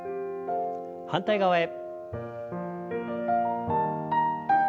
反対側へ。